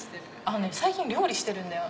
・最近料理してるんだよ。